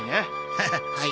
ハハはい。